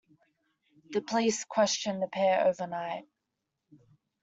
The police questioned the pair overnight